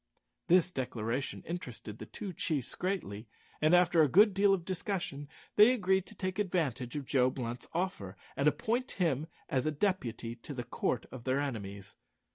This declaration interested the two chiefs greatly, and after a good deal of discussion they agreed to take advantage of Joe Blunt's offer; and appoint him as a deputy to the court of their enemies.